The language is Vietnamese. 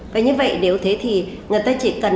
và như vậy nếu thế thì người ta chỉ cần